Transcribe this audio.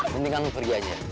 mendingan lo pergi aja